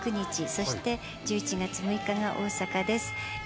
そして１１月６日が大阪です。